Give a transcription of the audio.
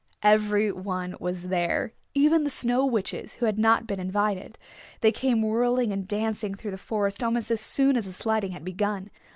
Every one was there, even the Snow Witches who had not been invited. They came whirling and dancing through the forest almost as soon as the sliding had begun.